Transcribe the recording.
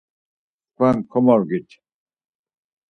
Tkvan komogit.